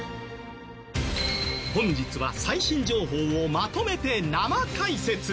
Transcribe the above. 本日は最新情報をまとめて生解説。